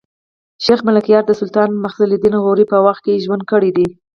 شېخ ملکیار د سلطان معز الدین غوري په وخت کښي ژوند کړی دﺉ.